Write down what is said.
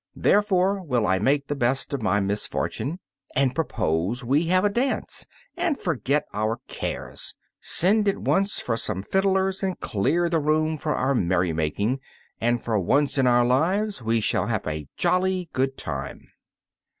Therefore will I make the best of my misfortune, and propose we have a dance, and forget our cares. Send at once for some fiddlers, and clear the room for our merry making, and for once in our lives we shall have a jolly good time!"